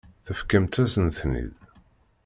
Tefkamt-asen-ten-id.